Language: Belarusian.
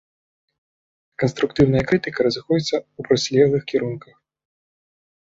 Канструктыўная крытыка разыходзіцца ў процілеглых кірунках.